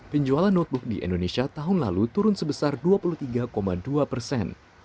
penjualan notebook di indonesia tahun lalu turun sebesar dua puluh tiga dua persen